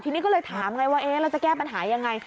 ทีนี้ก็เลยถามไงว่าเราจะแก้ปัญหายังไง